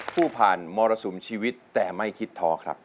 ผู้ผ่านมรสุมชีวิตแต่ไม่คิดท้อครับ